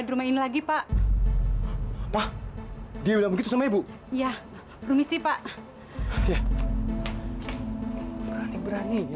sampai jumpa di video selanjutnya